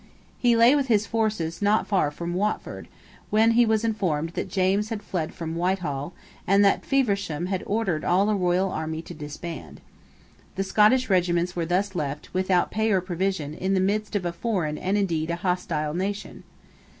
He lay with his forces not far from Watford, when he was informed that James had fled from Whitehall, and that Feversham had ordered all the royal army to disband. The Scottish regiments were thus left, without pay or provisions, in the midst of a foreign and indeed a hostile nation.